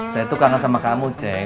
saya tuh kangen sama kamu ceng